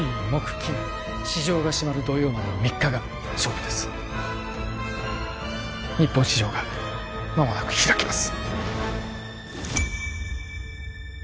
金市場が閉まる土曜までの３日が勝負です日本市場がまもなく開きます